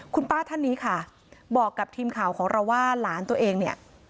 คุณป้าท่านนี้ค่ะบอกกับทีมข่าวของเราว่าหลานตัวเองเนี่ย